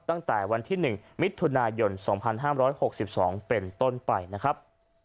ตั้งแต่วันที่๑มิถุนายน๒๕๖๒เป็นต้นไปนะครับ